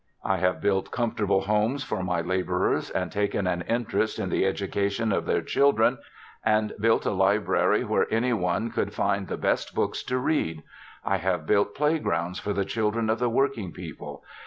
I have built comfortable homes for my laborers and taken an interest in the education of their children, and built a library where any one could find the best books to read. I have built playgrounds for the children of the working people.